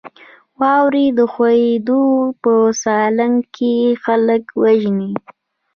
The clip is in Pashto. واورې ښویدنه په سالنګ کې خلک وژني؟